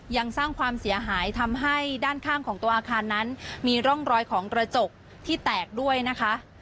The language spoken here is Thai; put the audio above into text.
ยังสร้างความเสียหายทำให้ด้านข้างของตัวอาคารนั้นมีร่องรอยของกระจกที่แตกด้วยนะคะ